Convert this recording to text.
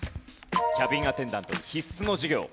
キャビンアテンダントに必須の授業。